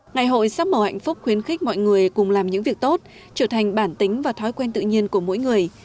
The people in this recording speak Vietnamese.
ngày hội sắc màu hạnh phúc khuyến khích mọi người cùng làm những việc tốt trở thành bản tính và thói quen tự nhiên của mỗi người